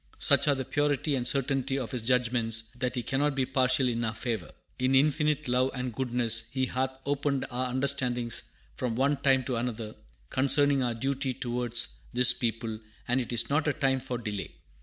Such are the purity and certainty of His judgments that He cannot be partial in our favor. In infinite love and goodness He hath opened our understandings from one time to another, concerning our duty towards this people; and it is not a time for delay.